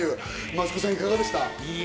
増子さん、いかがでした？